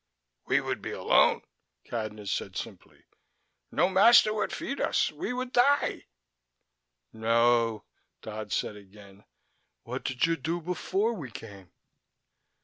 "We would be alone," Cadnan said simply. "No master would feed us. We would die." "No," Dodd said again. "What did you do before we came?"